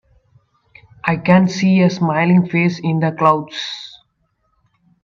I can see a smiling face in the clouds.